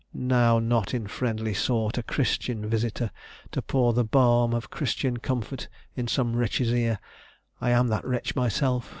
now not in friendly sort A Christian visitor, to pour the balm Of Christian comfort in some wretch's ear I am that wretch myself!